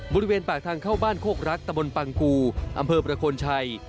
บริเวณปากทางเข้าบ้านโคกรักตะบนปังกูอำเภอประโคนชัย